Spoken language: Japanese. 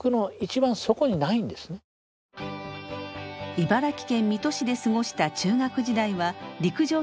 茨城県水戸市で過ごした中学時代は陸上競技に熱中。